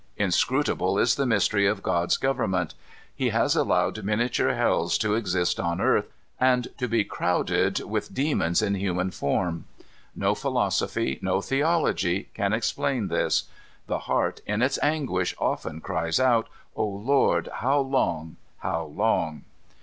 Inscrutable is the mystery of God's government. He has allowed miniature hells to exist on earth, and to be crowded with demons in human form. No philosophy, no theology can explain this. The heart, in its anguish, often cries out, "O Lord, how long! how long!"